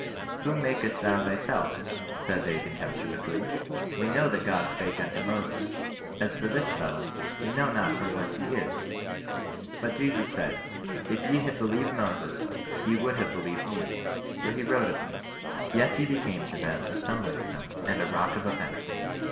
" Whom makest thou thyself ?" said they contemptu ously. " We know that God spake unto Moses : as for this fellow, we know not from whence he is." But Jesus said —" if ye had believed Moses, ye would have believed me ; for he wrote of me." Yet he became to them a stumbling stone, and a rock of offence.